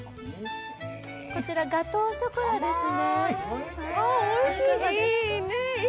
こちらガトーショコラですね。